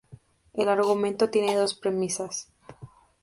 El argumento tiene dos premisas.